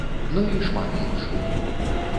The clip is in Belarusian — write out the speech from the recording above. Ну і шмат іншых.